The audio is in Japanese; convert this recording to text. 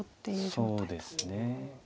そうですね。